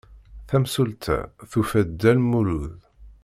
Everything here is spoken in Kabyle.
Tamsulta tufa-d Dda Lmulud.